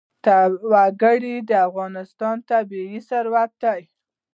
وګړي د افغانستان طبعي ثروت دی.